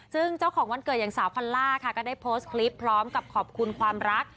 ซึ่งเจ้าของวันเกิดอย่างสาวพันล่าค่ะก็ได้โพสต์คลิปพร้อมกับขอบคุณความรัก